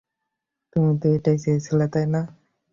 তুমি তো এটাই চেয়েছিলে, তাই না?